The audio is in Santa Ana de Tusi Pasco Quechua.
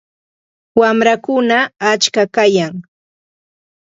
Makiwanmi muruu.